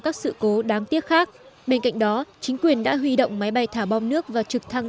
các sự cố đáng tiếc khác bên cạnh đó chính quyền đã huy động máy bay thả bom nước và trực thăng